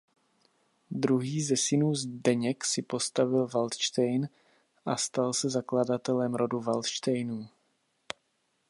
Druhý ze synů Zdeněk si postavil Valdštejn a stal se zakladatelem rodu Valdštejnů.